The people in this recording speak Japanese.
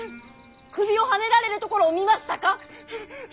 首をはねられるところを見ましたか。